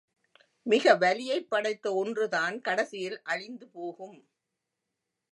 மிக வலியைப் படைத்த ஒன்றுதான் கடைசியில் அழிந்து போகும்.